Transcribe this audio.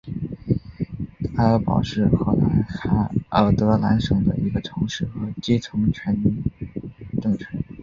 埃尔堡是荷兰海尔德兰省的一个城市和基层政权。